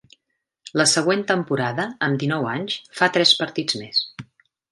La següent temporada, amb dinou anys, fa tres partits més.